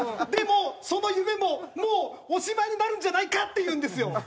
でもその夢ももうおしまいになるんじゃないかっていうんですよ。